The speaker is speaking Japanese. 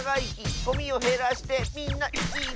「ゴミをへらしてみんなイキイキ！」